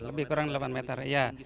lebih kurang delapan meter